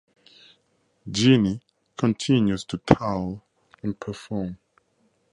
Jeannie continues to tour and perform.